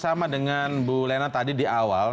sama dengan bu lena tadi di awal